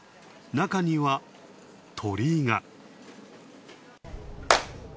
中には、鳥居が。